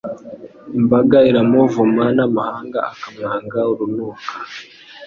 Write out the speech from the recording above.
imbaga iramuvuma n’amahanga akamwanga urunuka